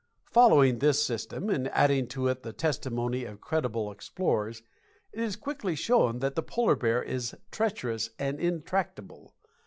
Following this system and adding to it the testimony of credible explorers, it is quickly shown that the polar bear is treacherous and intractable.